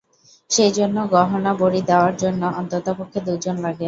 সেই জন্য গহনা বড়ি দেওয়ার জন্য অন্ততপক্ষে দু'জন লাগে।